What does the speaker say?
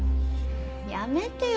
やめてよ